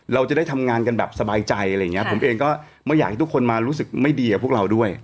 เราจะได้ทำงานกันแบบสบายใจอะไรอย่างเงี้ยผมเองก็ไม่อยากให้ทุกคนมารู้สึกไม่ดีกับพวกเราด้วย